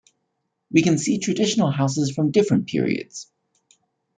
We can see traditional houses from different periods.